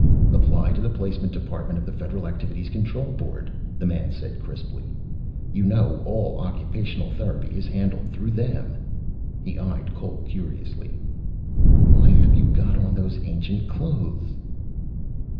"Apply to the Placement Department of the Federal Activities Control Board," the man said crisply. "You know all occupational therapy is handled through them." He eyed Cole curiously. "Why have you got on those ancient clothes?"